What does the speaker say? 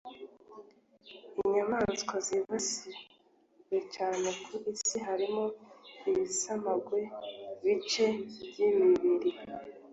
Inyamaswa zibasiwe cyane ku Isi harimo ibisamagwe (bice by’imibiri)